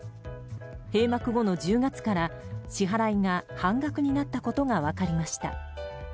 閉幕後の１０月から支払いが半額になったことが分かりました。